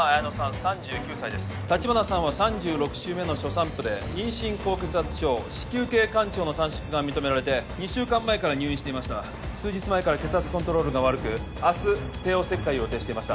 ３９歳です立花さんは３６週目の初産婦で妊娠高血圧症子宮頸管長の短縮が認められて２週間前から入院していました数日前から血圧コントロールが悪く明日帝王切開を予定していました